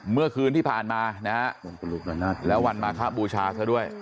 เมื่อคืนที่ผ่านมานะครับแล้ววันมาครับบูชาเสียด้วย